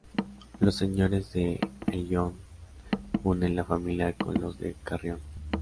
Los señores de Ayllón unen la familia con los de Carrión.